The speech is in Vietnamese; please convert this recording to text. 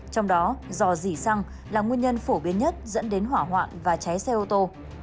trong đó dò dỉ xăng là nguyên nhân phổ biến nhất dẫn đến hỏa hoạn và cháy xe ô tô